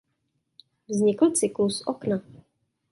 Vznikl cyklus "Okna".